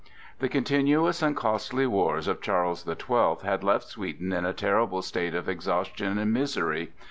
The continuous and costly wars of Charles the Twelfth had left Sweden in a terrible state of exhaustion and misery.